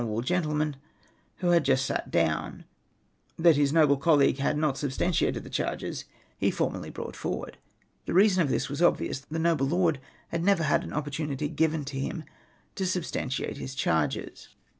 gentleman who had just sat down, that his noble colleague had not substan tiated the charges he formerly brought forward. The reason of this was obvious ; the noble lord had never had an oppor tunity given liim to sid3stantiate his charges.